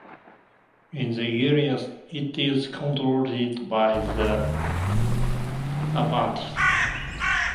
In the Iliad it is controlled by the Abantes.